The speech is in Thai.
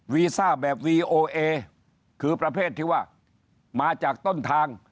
วีซ่าแบบวีโอเอคือประเภทที่ว่ามาจากต้นทาง